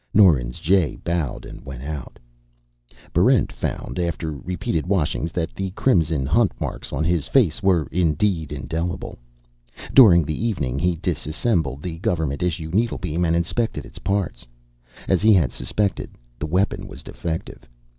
Norins Jay bowed and went out. Barrent found, after repeated washings, that the crimson hunt marks on his face were indeed indelible. During the evening, he disassembled the government issue needlebeam and inspected its parts. As he had suspected the weapon was defective.